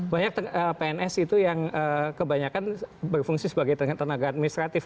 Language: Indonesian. banyak pns itu yang kebanyakan berfungsi sebagai tenaga administratif